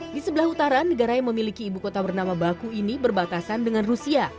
di sebelah utara negara yang memiliki ibu kota bernama baku ini berbatasan dengan rusia